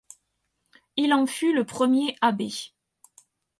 Il en fut le premier abbé.